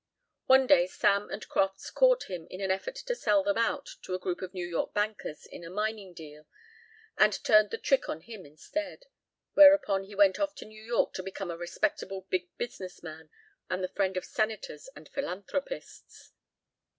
One day Sam and Crofts caught him in an effort to sell them out to a group of New York bankers in a mining deal and turned the trick on him instead, whereupon he went off to New York to become a respectable big business man and the friend of senators and philanthropists.